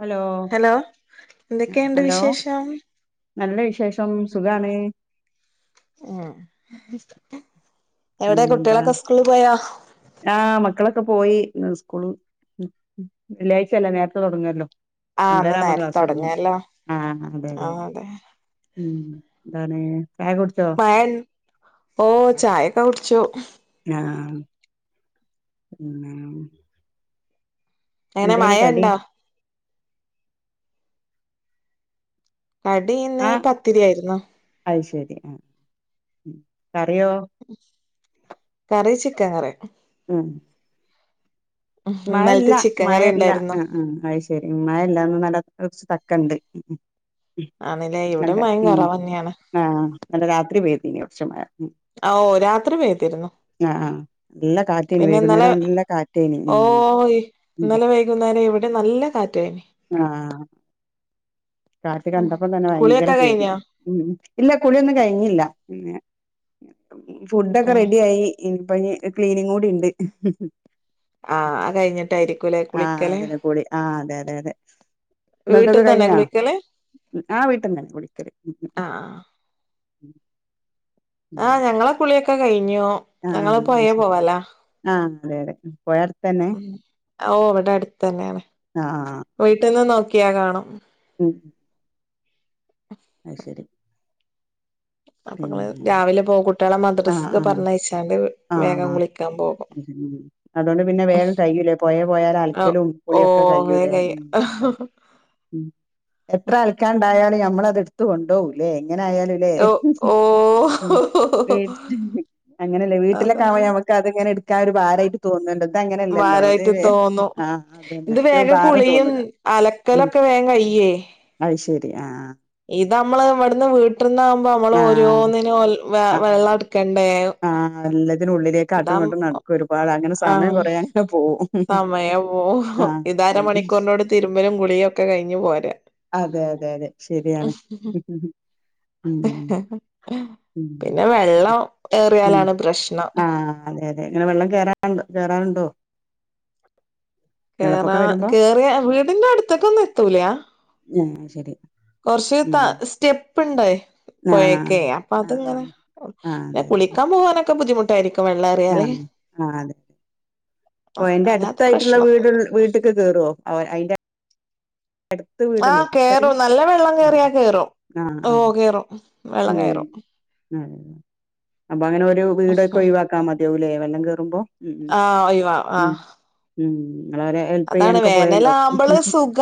Hello hello എന്തൊക്കെയുണ്ട് hello വിശേഷം നല്ല വിശേഷം സുഖാണ് ഏ എവിടെ പിന്നെന്താ കുട്ടാളൊക്കെ സ്കൂളിൽ പോയോ ഒക്കെ പോയി ന്ന് സ്കൂൾ വെള്ളിയാഴ്ച അല്ലെ നേരത്തെ തൊടങ്ങല്ലോ ആഹ് ഒമ്പേര ഇന്ന് ആവുമ്പോ നേരത്തെ ക്ലാസ്സ് തൊടങ്ങും തുടങ്ങിയല്ലോ ആ അതെ അതെ ഉം ന്താണ് മഴ ഇൻ ഓ ചായ ഒക്കെ കുട് ച്ചു ആ [unintelligible] എങ്ങനെ എന്തേനി മഴ കടി ഇണ്ടോ കടി ഇന്ന് പത്തിരി ആയിരുന്നു [unintelligible] ടെയോ കറി ചിക്കൻ കറി ഉം മഴ ഇല്ല ഇന്നലത്തെ ചിക്കൻ മഴ കറി ഇല്ല ഉണ്ടായിരുന്നു അ അ അയ് ശരി ഉം മഴ ഇല്ല ഇന്ന് നല്ല [unintelligible] ക്കെണ്ട് ഉം ആണല്ലേ ഇവിടെ നല്ല മഴ ഉം കുറവ് തന്നെയാണ് ആ ഇന്നലെ രാത്രി പെയ് നി കൊർച്ച് മഴ ഉം ഓ രാത്രി പെയ്തിരുന്നു ആ ആ നല്ല കാറ്റേനി വൈകുന്നേരം നല്ല കാറ്റേനി ഓയ് ഇന്നലെ വൈകുന്നേരം ഇവിടെം നല്ല കാറ്റായി ആ കാറ്റ് കണ്ടപ്പം തന്നെ ഭയങ്കര കുളിയൊക്കെ പേടി കഴിഞ്ഞോ ഉം ഇല്ല കുളിയൊന്നും കഴിഞ്ഞില്ല ഫുഡൊക്കെ റെഡിയായി പ്പം ഇഞ്ഞ് ക്ലീനിങ്ങുടി ഇണ്ട് ആ അയ് കഴിഞ്ഞിട്ടായിരിക്കും ലെ ആഹ് കുളിക്കല് അതന്നെ കുളി ആഹ് അതെ അതെ വീട്ട്ന്ന് തന്നെ കുളിക്കൽ? ആ വീട്ട്ന്ന് കുളിക്കൽ ഉം ആഹ് ആ ഞങ്ങളെ കുളിയൊക്കെ ഞ്ഞു ഞങ്ങൾ ആഹ് അത് പൊഴേ ശരി പോവലാ ആഹ് അതെ അതെ പൊഴ അടുത്തന്നെ ഓ ഇവടെ അടുത്തെന്നേണ് ആഹ് വീട്ടിൽന്ന് നോക്ക ക്കിയാ കാണും ഉ അയ് ശരി അപ്പൊ ങ്ങള് പിന്നെ രാവിലെ പോകും കുട്ടികളെ ആ മദ്രസക്ക് ആ പറഞ്ഞയച്ചാണ്ട് ആ വേഗം ആ കുളിക്കാൻ പോകും അതൊണ്ട് പിന്നെ വേഗം കയ്യുംലേ പൊയേ പോയാലൽക്കലും കുളിയൊക്കെ ഓഹ് കയ്യുംലേ വേഗയ്യും ഉം അത ഉം എത്ര അലക്കാണ്ടായാലും ഞമ്മള എട്ത്ത് കൊണ്ടോവും ലേ ഇങ്ങനെ ആയാലും ലേ ഓഹ് ഓഹ് അങ്ങനെല്ലേ വീട്ടിലൊക്ക അതാണ് ആവുമ്പോ ഞമക്കത്ങ്ങനെ ട്ക്കാൻ ഒരു ഭാരമായിട്ട് തോന്നുന്ന്ണ്ട്‌ ഇത് അങ്ങനെയല്ലല്ലോ ഭാരായിട്ട് ഇത് തോന്നും ആ അതന്നെ ഇത് മറ്റേ വേഗം ഭാരം കുളിയും തോന്നൂല ഉം അലക്കലൊക്കെ വേഗം കയ്യേ അ ശെരി അ ആ ഇത് അമ്മള് ഇവെട്ന്ന് വീട്ടിന്നാ മ്പം മ്മള് ആഹ് ഓരോന്നിനും വെ വെള്ളട്ക്കണ്ടേ ആ തിനുള്ളിലേക്കാട്ടുംങ്ങട്ടും ഇതാ നടക്കും ഒരുപാട് അങ്ങനെ സമയം ആഹ് കൊറേ അങ്ങനെ പോകും സമയം പോവും ഇതരമണിക്കൂറിനോട് തിരുമ്പലും കുളിയൊക്കെ കഴിഞ്ഞു പോരാ അതെ അതെ അതെ ശരിയാണ് ഉം ഉം പിന്നെ വെള്ളം ഉം ഏറിയാലാണ് പ്രശ്നം ആ അതെ അതെ ങ്ങനെ വെള്ളം കേറാറ് കേറാറുണ്ടോ കേറാ വെള്ളപ്പൊക്കം വരുമ്പോ കേറിയാ വീടിന്റെ അടുത്തെക്കൊന്നും എത്തൂല്യ ഉം ശരി കൊറച്ച് ഉം താ സ്റ്റെപ്പ് ണ്ടേ ആഹ് പോയെക്കെ അപ്പൊ ആഹ് അത്ങ്ങനെ ആഹ് ന്നെ കുളി ക്കാൻ പോവാനെ ക്കെ ബുദ്ധിമുട്ടായിരിക്കും വെള്ളം ആ ഏറിയാല് ആ അതെ പൊയെൻ്റെ അല്ലാത്ത അടുത്തായിട്ട്ള്ള വീട് പ്രശ്നൊന്നുല്ല വീട്ട്ക്ക് കേറോ അവ അയ്ന്റെ ആ കേറും നല്ല വെള്ളം ആഹ് കേറിയാ കേറും ആഹ് ഓ അതെ കേറും വെള്ളം ഉം കെയറും അതെ അതെ. അപ്പൊ അങ്ങനെ ഒരു വീടൊക്കെ ഒഴിവാക്കാമമതിയാവുലേ വെള്ളം കേറുമ്പോ ഉം ഉം ആ ഒയിവാ ആ ഉം ഉം നിങ്ങള് അവരെ ഹെൽപ് ചെയ്യാനൊക്കെ പോയെണ്ടോ ക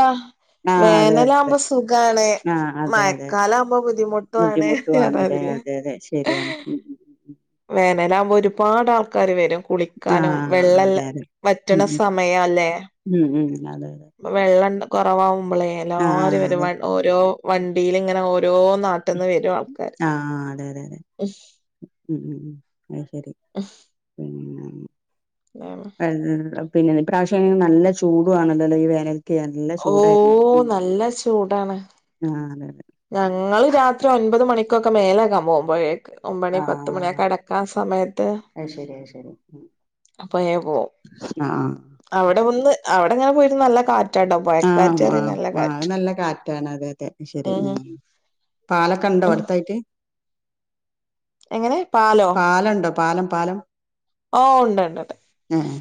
വേനലാവുമ്പ സുഖാണ് ആഹ് അതെ അതെ മഴക്കാലാവുമ്പ ബുദ്ധിമുട്ടു ആണ് ബുദ്ധിമുട്ടുവാണ്ല്ലേ റ്ഞ്ഞാതിര്യാ അതെ അതെ ശരിയാണ്. ഉം ഉം ഉം ഉം. വേനലാവുമ്പോ ഒരുപാടാൾ ആൾക്കാര് വരും കുളിക്കാനും ആഹ് വെള്ളല്ല അതെ അതെ. വറ്റണ ഉം ഉം. സമയ അല്ലേ ഉം ഉം അതെ അതെ. അപ്പോ വെള്ളം കുറവാവും മ്മള് ആഹ് എല്ലാവാരും അതെ. ഓരോ വണ്ടീൽ ഇങ്ങനെ ഓരോ നാട്ടിൽന്ന് വരും ആൾക്കാര് തെ മ്മ് മ്മ് മ്മ് അയ് ശരി പിന്നെ [unintelligible] പിന്നെ ഈ പ്രാവശ്യം ആണെങ്കി നല്ല ചൂടും ആണല്ലോ, ഈ വേനൽ നല്ല ഓ ചൂടായിരുന്നു ഉം, നല്ല ചൂടാണ് ആ ഞങ്ങള് രാത്രി ഒൻപത് മണിക്കൊക്കെ മേലങ്ങാം പോം, പോയിട്ട് ഒമ്പണി, ആഹ് പത്തുമണിയൊക്കെ അടക്കാ സമയത്ത് അത് ശരി അത് ശരി. പോയ പോവും, ആഹ് അവിടെ ഒന്ന് അങ്ങനെ പോയിട്ട നല്ല കാ [unintelligible] ആഹ് പോയക്കറ്ററിയ ആഹ് നല്ല ആഹ് അത് കാറ്റ് [unintelligible] അതെ ശരി, ഉം പാലൊക്കെ ഉണ്ടോ ഉം അടുത്തായിട്ട്? എങ്ങനെ പാലോ പാലണ്ടോ പാലം പാലം? ഓ ഉണ്ട്‌ണ്ട്. ഏഹ്.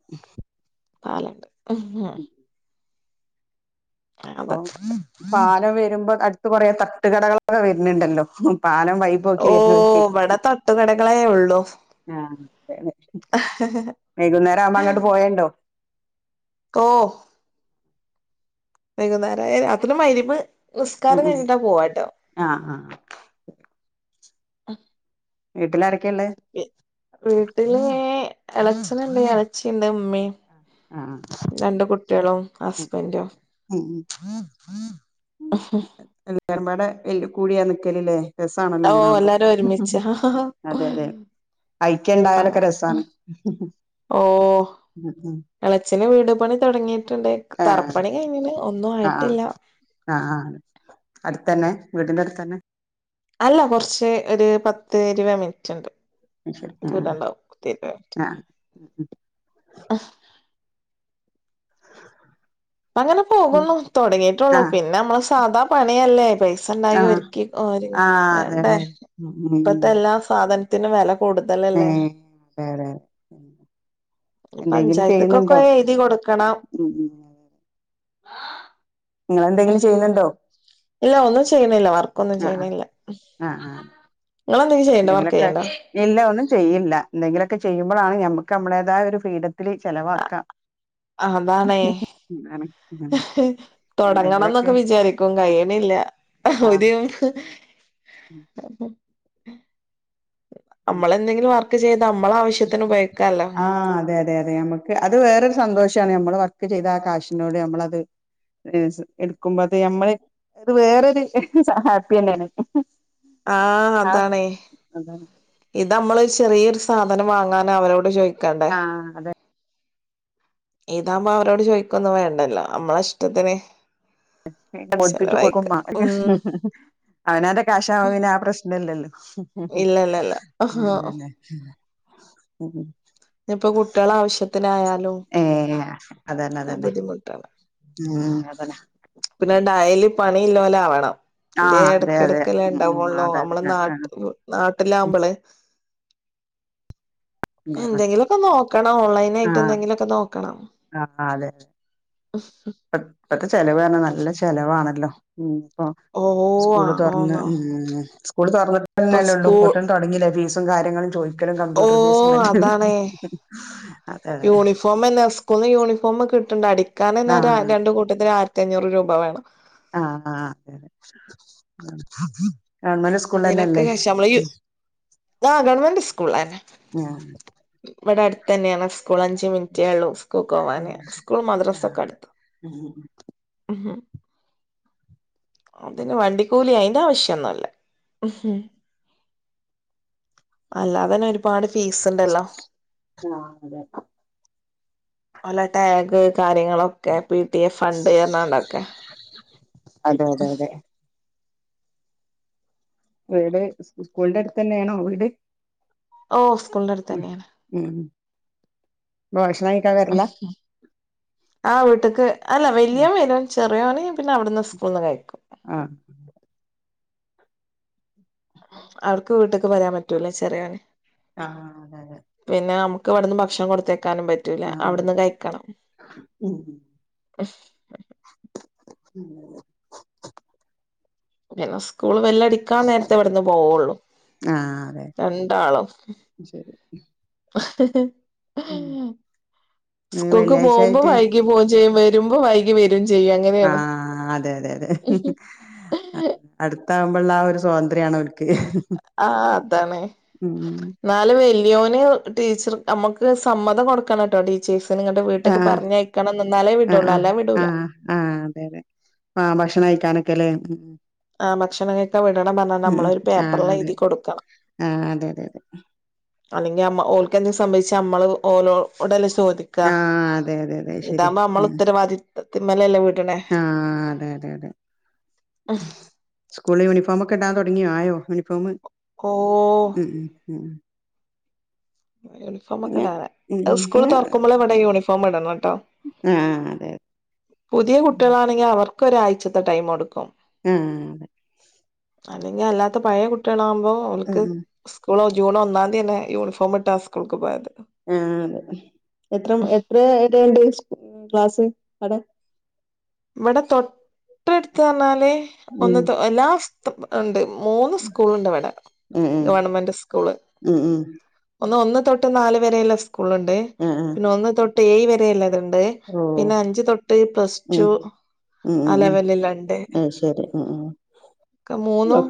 [unintelligible] പാലണ്ട് ആ ഓ, പാലം വരുമ്പോ കൊറേ തട്ടുകടകളൊക്കെ വരുന്നുണ്ടല്ലോ, പാലം ഓ [unintelligible] വരുന്ന വഴിക്ക്, ഇവിടെ തട്ടുകടകളേ ഉള്ളൂ ആ അതെ, വൈകുന്നേരം ആവുമ്പോ അങ്ങോട്ട് പോയല്ലോ ഓ വൈകുന്നേരം അതിന് [unintelligible] ഉം നിസ്കാാരം ഉം കഴിഞ്ഞിട്ടാ പോവാട്ടോ ആഹ് ആഹ് [inaudible] വീട്ടില [inaudible] വീ, വീട്ടില് എളച്ചനുണ്ട് എളച്ചിണ്ട് ഉമ്മി ആഹ് രണ്ട് കുട്ടികളും ഉം ഹസ്ബൻന്റും ഉം ല്ലാരും പാടെ എൽ കൂടിയാ നിക്കലില്ലേ. രസാണല്ലോ അങ്ങനെ ഓഹ് ആവുമ്പോ എല്ലാരും ഒരുമിച്ച് അഹ ഹാ അതെ അതെ ഐക്യം ഉണ്ടായാലൊക്കെ രസാണ് ഓഹ് ഉം ഉം ഇളച്ചന് വീടു പണി തൊടങ്ങീട്ടുണ്ട്. ആഹ് തറപ്പണി കഴിഞ്ഞിണ് ഒന്നും ആഹ് ആയിട്ടില്ല. ആഹ് അടുത്തന്നെ വീടിന്റെ അടുത്തന്നെ? അല്ല കുറച്ച് ഒര് പത്ത് ഇരുപ മിനിറ്റുണ്ട്. ശരി ആഹ് ആഹ് ഉ ഉം അങ്ങനെ പോകുന്നു ആഹ് തുടങ്ങിട്ടുള്ളൂ ആഹ് പിന്നെ നമ്മള സാധാ പണിയല്ലേ സണ്ടായി ആഹ് ഒരുക്കി ഓര് ആഹ് അതെ വേണ്ടേ അതെ ഇപ്പത്തെ ഉം എല്ലാ സാധൻ ത്തിനും വെല കൂടുതലല്ലേ ഏഹ് അതെ അതെ അതെ ഉം. ഇനി എന്തെങ്കിലും പഞ്ചായത്തക്കൊക്കെ ചെയ്യുന്നുണ്ടോ എഴുതി കൊടുക്കണം ഉം ഉം നിങ്ങളെന്തെങ്കിലും ചെയ്യുന്നുണ്ടോ ഇല്ല ഒന്നും ചെയ്യണില്ല വർക്ക് ഒന്നും ആഹ് ചെയ്യണില്ല ആഹ് ആഹ് ആഹ് നിങ്ങളെന്തേലും ചെയ്യണിണ്ടോ വർക്ക് എന്തെങ്കിലൊക്കെ ചെയ്യ്ണ്ടോ ഇല്ല ഒന്നും ചെയ്യില്ല എന്തെങ്കിലുമൊക്കെ ചെയ്യുമ്പോഴാണ് നമ്മുക്ക് നമ്മുടേതായ ഒരു ഫ്രീഡത്തില് ചെലവാക്കാം അതാണ് അതാണ് ഉം. എന്തെങ്കിലൊക്കെ തുടങ്ങണന്നൊക്കെ വിചാരിക്കും ആഹ് കഴിയണില്ല ഒരു ആഹ് അപ്പം ഉം നമ്മളെന്തെങ്കിലും വർ വർക്ക് ചെയ്ത് നമ്മളെ ആവശ്യത്തിന് ഉപയോഗിക്കാല്ലോ ആ അതെ അതെ അതെ നമ്മുക്ക് അത് വേറൊരു സന്തോഷമാണ് ഞമ്മക്ക് വർക്ക് ചെയ്ത ആ കാശിനോട് നമ്മളത് എടുക്കുമ്പോ അത് നമ്മള് അത് വേറൊരു ഹാപ്പി തന്നെയാണ് ആ ആഹ് അതാണെ അതാണ് ഇത് നമ്മൾ ഒരു ചെറിയൊരു സാധനം വാങ്ങാ അവരോട് ചോയി ആ അതെ ഇതാവുമ്പോ അവരോട് ചോയിക്കൊന്നും വേണ്ടല്ലോ അമ്മളിഷ്ടത്തിന് [unintelligible] ഒപ്പിച്ചു കൊട്ക്കുമ്മ ഉം അവനാന്റെ കാശാവുമ്പോ പിന്നെ ആ പ്രശ്നല്ലല്ലോ ഇല്ല ഇല്ല ഇല്ല ആഹാ ഉം ഇപ്പൊ കുട്ടികളെ ആവശ്യത്തിനായാലും ഏ ഒക്കെ അതെന്നതെന്നെ ബുദ്ധിമുട്ടാണ് ഉം അതെന്നെ പിന്നെ ഡയ്ലി പണില്ലോ ല്ലാവണം. ആ ഇത് അതെ അതെ എടക്കെടക്കല്ലെ ഉം ഉം ണ്ടാവൊള്ളൂ അതെ അതെ അമ്മള് ആ നാട്ട് നാട്ടിലാവുമ്പളെ എന്തെങ്കിലൊക്ക നോക്കണം ആ ഓൺലൈനായിട്ട് എന്തെങ്കിലൊക്കെ നോക്കണം. [unintelligible] ചെലവാണ് നല്ല ചെലവാണല്ലോ ഉം ഒ ഓ സ്കൂള് തുറന്ന് ആണോന്നോ ഉം സ്കൂള് തുറന്നിട്ട് ഇപ്പൊ തന്നെല്ല ഉള്ളു സ്കൂൾ കൊടുത്തൊന്നും തൊടങ്ങില്ല ഫീസ് പ്പം കാര്യങ്ങളും ചോദിക്ക ഓ കമ്പ്യൂട്ടർ ഫീസ് അതാണ് [unintelligible] അതെ അതെ പ്പന്താടി കാരണം എന്ന ആ രാ രണ്ട് കൂട്ടത്തിലാ ത്തഞ്ഞൂറ് രൂപ വേണം ആ ആ ഗവൺമെന്റ് സ്കൂളിൽ അതിനൊക്കെ തന്നെയല്ലേ ശേഷം നമ്മള് ഈ ആ ഗവൺമെന്റ് സ്കൂള തന്നെ ആ ഇവിടെ അടുത്ത് തന്നെയാണ് സ്കൂൾ അഞ്ച് മിനിറ്റേ ഉള്ളൂ കൂക്കവാന് സ്കൂൾ ആ മദ്രസ ഒക്കെ അടു ഉം അതിന് വണ്ടിക്കൂലി അയിന്റെ ആവശ്യന്നുല്ല [unintelligible] അല്ലാതന്നെ ഒരുപാട് ഫീസ്ണ്ടല്ലോ ആ അതെ ഒലെ ടാഗ് കാര്യങ്ങളൊക്കെ പി ടി എ ഫണ്ട് എതാണ്ടൊക്കെ അതെ അതെ അതെ വീട് സ്കൂളിന്റെ അടുത്ത് തന്നെയാണോ വീട് ഓ സ്കൂളന്റടുത്ത് ഉം തന്നെയാണ് [unintelligible] വരില്ല ആ വീട്ട്ക്ക് അല്ല വലിയ വരും ചെറ വേയാറിയും പിന്നെ അവിടുന്ന് സ്കൂൾന്ന് കഴിക്കും ആഹ് അവർക്ക് വീട്ട്ക്ക് വരാൻ പറ്റൂല ചെറിയോന് ആഹ് അതെ അതെ പിന്നെ നമ ക്കെവിടുന്ന് ഭക്ഷണ കൊടുത്തേ കാനും പറ്റൂല ആഹ് അവിടന്ന് കഴിക്കണം ഉം [inaudible] ദിവസ്കൂ സ്കൂൾ വെല്ല അടിക്കാൻ നേരത്തെ ഇവിടുന്ന് പോവുള്ളു ആഹ് അതെ രണ്ടാളും [inaudible] ഹി ഉം ഹി സ്കൂൾക്ക് പോകുമ്പോ വെള്ളിയാഴ്ചായിട്ട് വൈകി പോകൻ ചെയ വ രുമ്പോ വൈകി വെ ആ അതെ അതെ അതെ ഹി ഹി അടു ത്താകുമ്പോള്ളാ ആ ഒരു സ്വാതന്ത്ര്യയാണ് ഓര്ക്ക് ആ അതാണ് ന്നാല് വല്യോന് ടീച്ചർ നമ്മക്ക് സമ്മതം കൊടുക്കണട്ടോ ടീച്ചേഴ്സ് നിങ്ങടെ വീട്ട്ക്ക് ആഹ് പറഞ്ഞയക്കണംന്ന് ഇന്നാലേ ആഹ് വിടുള്ളൂ ആഹ് അല്ലാ വിടൂല. ആഹ് ക്കലേ ഉം. ആ ഭക്ഷണ കയ്ക്കാൻ വിടണം പറഞ്ഞാ നമ്മള് ഒരു ആഹ് പേപ്പർല് അതെ എഴുതി കൊടുക്കണം ആഹ് അതെ അതെ അല്ലെങ്കി അമ്മ ഓൽ ക്കെന്തേം സംഭവിച്ചാ അമ്മള് ഓലോടല്ലേ [unintelligible] ചോദിക്കാ ആഹ് അതെ അതെ അതെ ശരിയ ഇതാവുമ്പോ നമ്മള് ഉം ഉത്തരവാദിത്തത്തിമ്മലല്ലേ വിട്ണ്. ആഹ് അതെ അതെ അതെ സ്കൂൾ യൂണിഫോ മൊക്കെ ഇടാൻ തുടങ്ങിയോ ആയോ യൂനിഫോമ്. ഓ ഉം, ഉം. യൂണിഫോമൊക്കെ പിന്നെ ഇടാതെ അത് ഉം സ്കൂൾ പിന്നെ തുറക്കുമ്പളേ ഇവടെ യൂണിഫോം ഇടണട്ടോ ആഹ് അതെ പുതിയ കുട്ടികളാണെങ്കി അവർ ക്ക് ഒരാഴ്ചത്തെ ടൈം കൊടുക്കും. ആ അതെ. അല്ലെങ്കി അല്ലാത്ത പഴയ കുട്ടികളാവു ഓ ഉം ഓൽക്ക് ഉം സ്കൂൾ ഓ ജൂൺ ഒന്നാം തിയെന്നെ യൂണിഫോമ് ട്ടാ സ്കൂൾക്ക് പോയത്. ആ അതെ, എത്ര എത്ര [unintelligible] ക്ലാസ്സ്. അടെ ഇവിടെ തൊട്ടടുത്ത് പറഞ്ഞാലേ ഉം ഒന്ന്തൊ എല്ലാ ഉണ്ട് മൂന്ന് സ്കൂൾ ഉണ്ടിവിടെ ഉം ഉം ഗവൺമെന്റ് സ്കൂള് ഉം ഉം ഒന്ന് ഒന്ന് തൊട്ട് നാല് വരെയുള്ള സ് സ്കൂളുണ്ട് ആഹ് ആഹ് പിന്നെ ഒന്ന് തൊട്ട് ഏഴ് വരെയുള്ളതുണ്ട് പിന്നെ ഓഹ് അഞ്ച് തൊട്ട് പ്ലസ് ടു ഉം ഉം ഉം ആ ഉം ലെവലിലുണ്ട് അത് ശരി ഉം ഉം ഒക്കെ ഒ മൂന്നും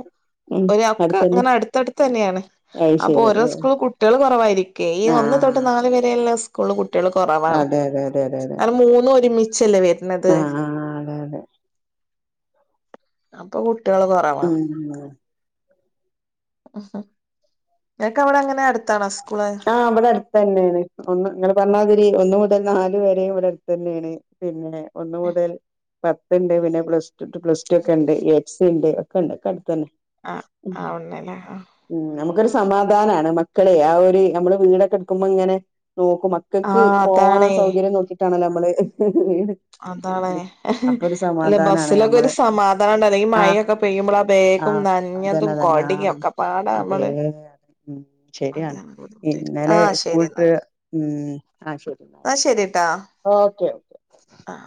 ഉം ഒനി ഒക്കെ അടുത്തന്നെ അങ്ങനെ അടുത്തടുത്ത് തന്നെയാണ് അത് അപ്പൊ ശരി ഓരോ സ്കൂള് കുട്ടികൾ കുറവായിരിക്കേ ഈ ഒന്ന് തൊട്ട് ആഹ് നാല് വരെയുള്ള സ്കൂള് കുട്ടികൾ കുറവാണ് അതെ അതെ കാരണം മൂന്നുമൊരുമി ചെല്ലേ വ ആഹ ആ അതെ അതെ അപ്പൊ കു ഉം ആ നിനക്ക് അവിടെ എങ്ങനാ അടുത്താണോ സ് ആഹ് ഇവിടെ അടുത്ത് തന്നെയാണ് ഒന്ന് നിങ്ങൾ പറഞ്ഞാതിരി ഒന്ന് മുതൽ നാല് വരെയും ഇവിടെ അടുത്ത് തന്നെയാണ് പിന്നെ ഒന്ന് മുതൽ പത്തിണ്ട് പിന്നെ പ്ലസ് പ്ലസ് ടു ഒക്കെ ഉണ്ട് എക്സ്ണ്ട് കണ്ട് [unintelligible] തന്നെ ആ ഉം ആവണല്ലേ നമുക്കൊരു സമാധാനാണ് മക്കള് ആ ഒരു നമ്മള് വീടൊക്കെ ടുക്കുമ്പോ ഇങ്ങനെ നോക്കും ആ മക്കൾക്ക് പോവാൻ സൗകര്യം നോക്കിയിട്ടാണല്ലോ മ്മള് ഹ് അതാണ് ഒരു അല്ലെ സമാധാനാണ് ബസ്സിലൊക്കെ ഒരു ഞമ്മള് സമാധാന ഈ ആഹ് മയക്കെ പെയ്യുമ്പോ ബേഗും ആഹ് അതന്നെ നഞ്ഞതും അതന്നെ കൊടേം ആഹ് ഒക്കെ പാടാ അതെ നമ്മള് ഉം ശരിയാണ് അതാണ് ബുദ്ധിമുട്ടായിരിക്കും ആ ഇന്നലെ ശരി സ്കൂള്ട്ട് എന്നാല് ഉം ആ ശരി നാ ആ ശരിട്ടാ ഓക്കെ ആ